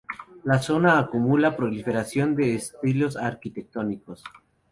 La zona acumula proliferación de estilos arquitectónicos.